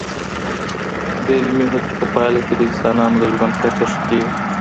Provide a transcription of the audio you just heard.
د علمي هڅو په پایله کي د انسانانو د ژوند کچه ښه کیږي.